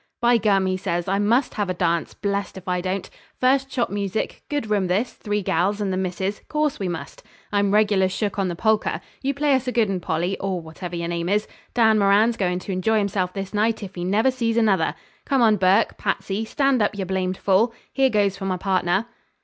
'By gum!' he says, 'I must have a dance; blest if I don't! First chop music good room this three gals and the missus course we must. I'm regular shook on the polka. You play us a good 'un, Polly, or whatever yer name is. Dan Moran's goin' to enjoy himself this night if he never sees another. Come on, Burke. Patsey, stand up, yer blamed fool. Here goes for my partner.'